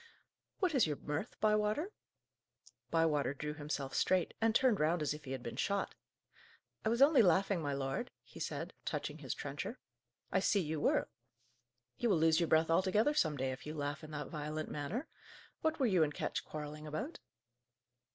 "What is your mirth, Bywater?" Bywater drew himself straight, and turned round as if he had been shot. "I was only laughing, my lord," he said, touching his trencher. "I see you were; you will lose your breath altogether some day, if you laugh in that violent manner. What were you and Ketch quarrelling about?"